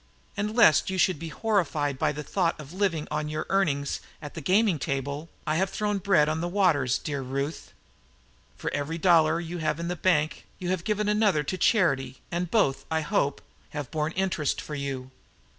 And, lest you should be horrified at the thought of living on your earnings at the gaming table, I have thrown bread on the waters, dear Ruth. For every dollar you have in the bank you have given another to charity, and both, I hope, have borne interest for you!"